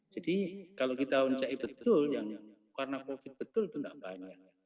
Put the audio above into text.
jadi kalau kita uncai betul yang karena covid betul itu tidak banyak